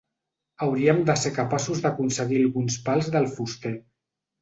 Hauríem de ser capaços d'aconseguir alguns pals del fuster